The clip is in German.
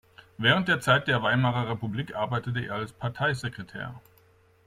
Während der Zeit der Weimarer Republik arbeitete er als Parteisekretär.